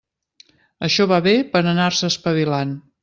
Això va bé per anar-se espavilant.